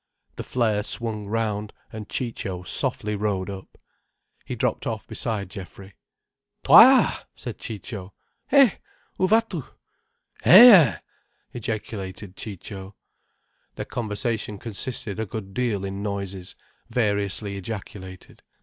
The flare swung round, and Ciccio softly rode up. He dropped off beside Geoffrey. "Toi!" said Ciccio. "Hé! Où vas tu?" "Hé!" ejaculated Ciccio. Their conversation consisted a good deal in noises variously ejaculated.